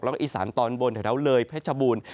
แล้วก็อิสันตอนบนแถวเลยพระจบุญ